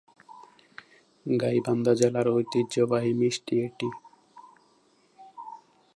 গাইবান্ধা জেলার ঐতিহ্যবাহী মিষ্টি এটি।